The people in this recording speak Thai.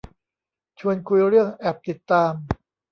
ชวนคุยเรื่องแอปติดตาม